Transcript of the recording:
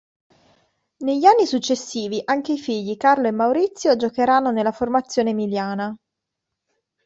Negli anni successivi anche i figli Carlo e Maurizio giocheranno nella formazione emiliana.